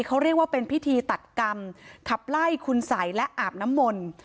เขาเรียกว่าเป็นพิธีตัดกรรมขับไล่คุณสัยและอาบน้ำมนต์